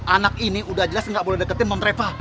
anak ini udah jelas gak boleh deketin nonreva